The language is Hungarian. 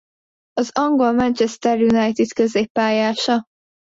Az angol Manchester United középpályása.